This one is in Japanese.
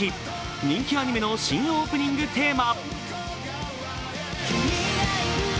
人気アニメの新オープニングテーマ。